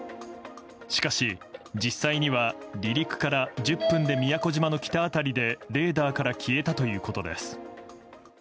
しかし、実際には離陸から１０分で宮古島の北辺りでレーダーから消えたということです。